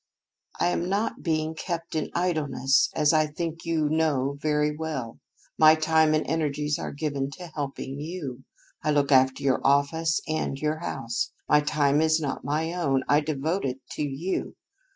"I am not being kept in idleness, as I think you know very well. My time and energies are given to helping you. I look after your office and your house. My time is not my own. I devote it to you.